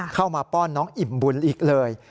เข้ามาป้อนน้องอิ่มบุญอีกเลย